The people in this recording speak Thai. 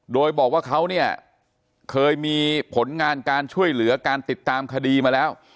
โดยบอกว่าเขาเนี่ยเคยมีผลงานการช่วยเหลือการติดตามคดีมาแล้ว